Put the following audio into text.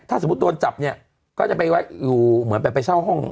ถ้าสมมุติโดนจับเนี่ยก็จะไปไว้อยู่เหมือนแบบไปเช่าห้อง